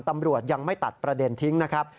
ตำรวจยังไม่ตัดประเด็นทิ้งนะครับ